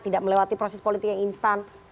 tidak melewati proses politik yang instan